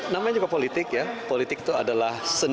namanya juga politik ya politik itu adalah seni